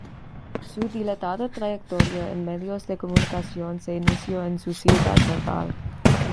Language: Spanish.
Su dilatada trayectoria en medios de comunicación se inició en su ciudad natal.